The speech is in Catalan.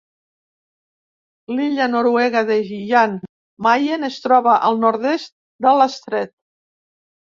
L'illa noruega de Jan Mayen es troba al nord-est de l'estret.